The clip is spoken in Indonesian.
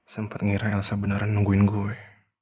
sempat ngira elsa beneran nungguin gue